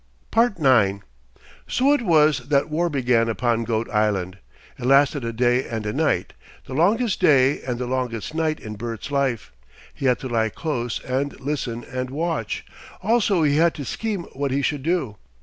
9 So it was that war began upon Goat Island. It lasted a day and a night, the longest day and the longest night in Bert's life. He had to lie close and listen and watch. Also he had to scheme what he should do.